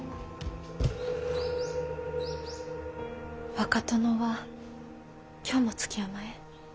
若殿は今日も築山へ？